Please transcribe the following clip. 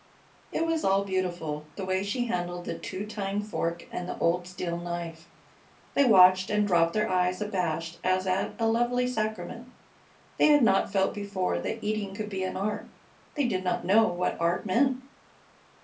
It was all beautiful, the way she handled the two tined fork and the old steel knife. They watched and dropped their eyes abashed as at a lovely sacrament. They had not felt before that eating could be an art. They did not know what art meant.